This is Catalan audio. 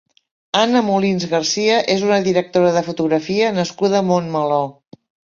Anna Molins Garcia és una directora de fotografia nascuda a Montmeló.